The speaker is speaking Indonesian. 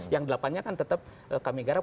yang delapannya kan tetap kami garap